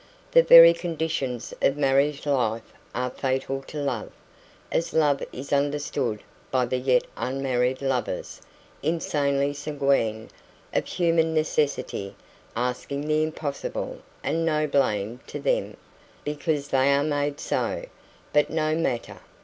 The very conditions of married life are fatal to love, as love is understood by the yet unmarried lovers insanely sanguine, of human necessity asking the impossible, and no blame to them, because they are made so; but no matter.